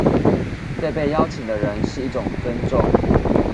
對被邀請的人是一種尊重